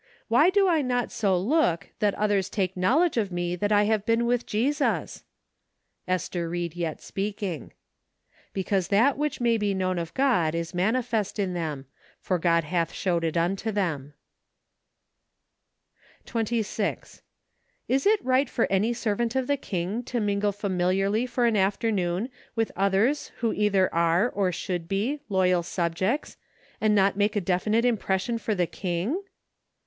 AVhy do I not so look that others take knowledge of me that I have been with Jesus ? Ester Ried Yet Speaking. " Because that which may he known of God is manifest in them; for God hath showed it unto them" 26. Is it right for any servant of the King to mingle familiarly for an afternoon with others who either are, or should be, loyal subjects, and not make a definite im¬ pression for the King